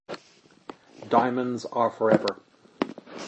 Diamonds are forever.